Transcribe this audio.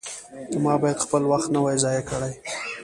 ما باید خپل وخت نه وای ضایع کړی.